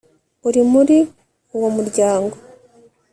uri muri uwo muryango